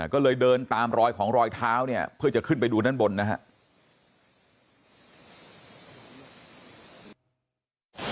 ก็เลยเดินตามรอยของรอยเท้าเนี่ยเพื่อจะขึ้นไปดูด้านบนนะครับ